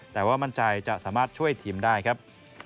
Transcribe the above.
แต่ว่ามั่นใจจะสามารถช่วยทีมได้ครับ